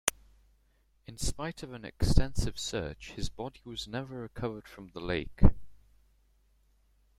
In spite of an extensive search, his body was never recovered from the lake.